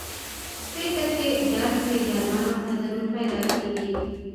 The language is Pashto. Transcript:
چېرته چې درد وي درمل ورته ضرور پیدا کېږي.